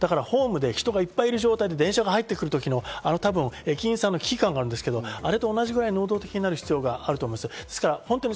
ホームで人がいっぱいいる状態で電車が入ってくるときの駅員さん、危機感があるんですけど、あれぐらい能動的になる必要があると思います。